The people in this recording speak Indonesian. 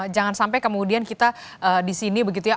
jangan sampai kemudian kita di sini begitu ya